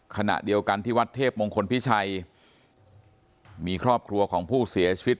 ขณะเดียวกันที่วัดเทพมงคลพิชัยมีครอบครัวของผู้เสียชีวิต